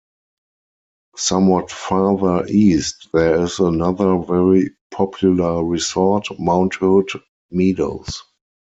Somewhat farther east there is another very popular resort, Mount Hood Meadows.